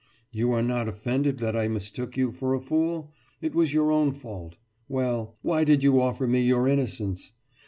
You are not offended that I mistook you for a fool? It was your own fault. Well why did you offer me your innocence?